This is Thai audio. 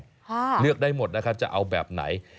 ค่ะเลือกได้หมดนะคะจะเอาแบบไหน